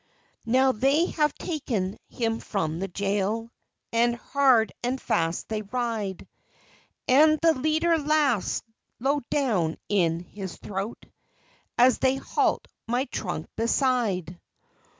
Now they have taken him from the jail, And hard and fast they ride, And the leader laughs low down in his throat, As they halt my trunk beside.